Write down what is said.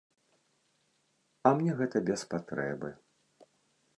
А мне гэта без патрэбы.